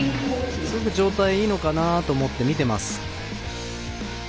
状態がいいのかなと思って見ています。